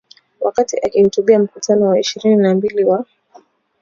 Wakati akihutubia Mkutano wa ishirini na mbili wa